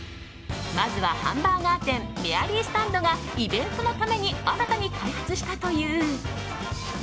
まずはハンバーガー店ＭＡＲＹＳＴＡＮＤがイベントのために新たに開発したという。